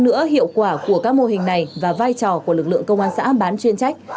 nữa hiệu quả của các mô hình này và vai trò của lực lượng công an xã bán chuyên trách